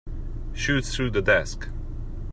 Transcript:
Shoot through the desk.